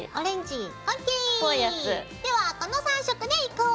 ではこの３色でいこう！